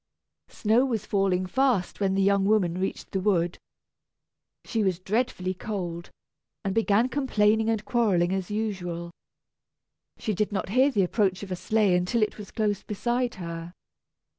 Snow was falling fast when the young woman reached the wood. She was dreadfully cold, and began complaining and quarrelling, as usual. She did not hear the approach of a sleigh until it was close beside her.